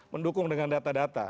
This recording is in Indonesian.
mendukung dengan data data